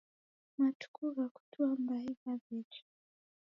Matuku gha kutua mbai ghaw'echa